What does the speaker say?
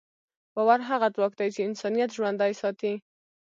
باور هغه ځواک دی چې انسانیت ژوندی ساتي.